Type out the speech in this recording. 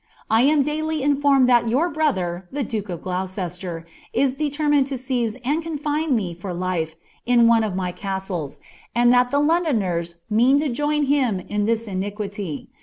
I ain daily iiifurmed ihu your brother, the duke of Gloucester, is determined to seize and c«ab( me for life in one of my castles, and that the Londoners meaa lo fM liim in this iniquity.